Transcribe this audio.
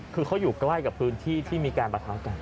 คือเขาอยู่ใกล้กับพื้นที่ที่มีการประทะกัน